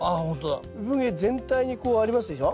うぶ毛全体にこうありますでしょ。